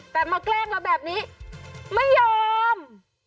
แต่มาแกล้งเราแบบนี้ไม่ยอม